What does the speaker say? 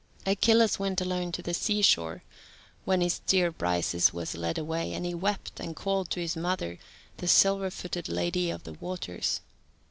Achilles went alone to the sea shore when his dear Briseis was led away, and he wept, and called to his mother, the silver footed lady of the waters.